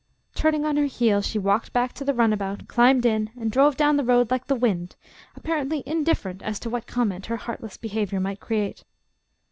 Turning on her heel, she walked back to the runabout, climbed in and drove down the road like the wind, apparently indifferent as to what comment her heartless behavior might create.